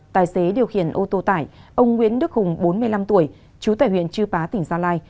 tài xế điều khiển ô tô tải ông nguyễn đức hùng bốn mươi năm tuổi trú tại huyện chư pá tỉnh gia lai